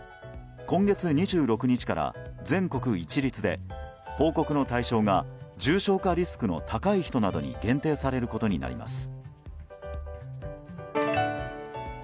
今月２６日から全国一律で報告の対象が重症化リスクの高い人などに限定されることになります。